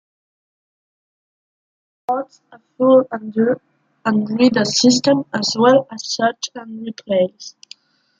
It supports a full undo and redo system as well as search and replace.